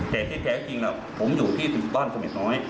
แต่ซิขะจริงหลักผมอยู่ที่บ้านชมิดน้อย